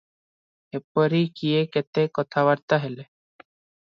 ଏପରି କିଏ କେତେ କଥାବାର୍ତ୍ତା ହେଲେ ।